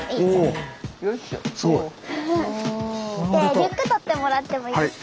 リュック取ってもらってもいいですか。